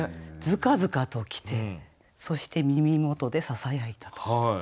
づかづかと来てそして耳元でささやいたと。